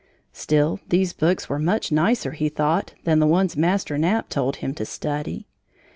Still these books were much nicer, he thought, than the ones Master Knapp told him to study.